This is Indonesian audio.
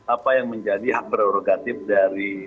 apa yang menjadi hak prerogatif dari